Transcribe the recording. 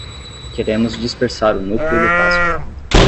Queremos dispersar o núcleo do casco.